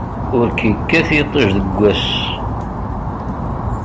Ur k-ikkat yiṭij deg wass.